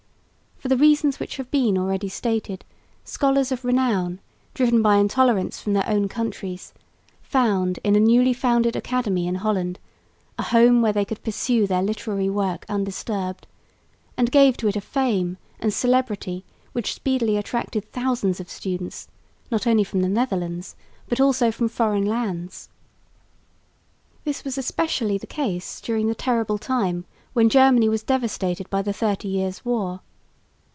For the reasons which have been already stated, scholars of renown driven by intolerance from their own countries found in the newly founded Academy in Holland a home where they could pursue their literary work undisturbed, and gave to it a fame and celebrity which speedily attracted thousands of students not only from the Netherlands, but also from foreign lands. This was especially the case during the terrible time when Germany was devastated by the Thirty Years' War.